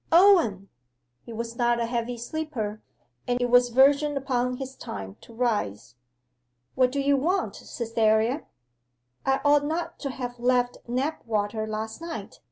'Owen!' He was not a heavy sleeper, and it was verging upon his time to rise. 'What do you want, Cytherea?' 'I ought not to have left Knapwater last night.